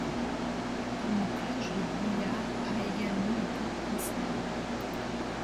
Une cloche de brouillard a également été installée.